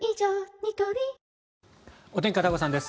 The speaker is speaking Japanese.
ニトリお天気、片岡さんです。